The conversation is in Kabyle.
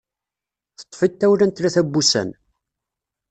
Teṭṭef-it tawla n tlata n wussan.